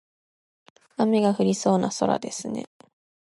雨が降りそうな空ですね。